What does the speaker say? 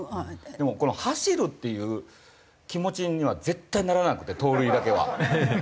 でもこの走るっていう気持ちには絶対ならなくて盗塁だけは。